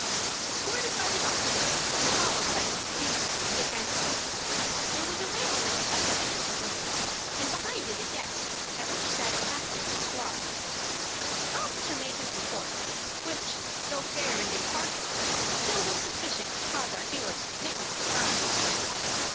Escorted by the officer, and followed by his accuser, Dick entered. There was a railing at the upper end of the room, and behind it a desk at which sat a captain of the squad. The officer made his report, which, though fair and impartial, still was sufficient to cause our hero's commitment for trial.